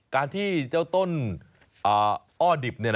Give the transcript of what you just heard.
การที่เจ้าต้นอ้อดิบ